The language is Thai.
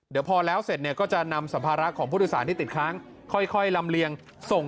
เดี๋ยวพอแล้วเสร็จก็จะนำสภาระของผู้โดยสารที่ติดค้างค่อยลำเลียงส่งคืนให้กับผู้โดยสาร